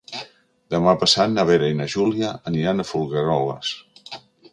Demà passat na Vera i na Júlia aniran a Folgueroles.